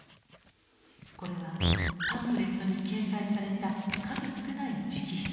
これはパンフレットに掲載された数少ない直筆です。